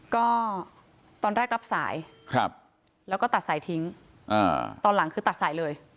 ก็ตอนแรกรับสายแล้วก็ตัดสายทิ้งตอนหลังคือตัดสายเลย